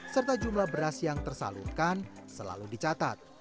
serta jumlah beras yang tersalurkan selalu dicatat